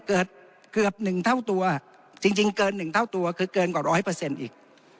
เกิดเกือบหนึ่งเท่าตัวจริงจริงเกินหนึ่งเท่าตัวคือเกินกว่าร้อยเปอร์เซ็นต์อีก